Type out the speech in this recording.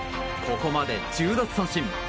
ここまで１０奪三振。